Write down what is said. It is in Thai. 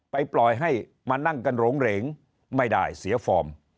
ปล่อยให้มานั่งกันหลงเหรงไม่ได้เสียฟอร์ม